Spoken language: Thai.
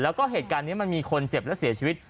แล้วก็เหตุการณ์นี้มันมีคนเจ็บและเสียชีวิต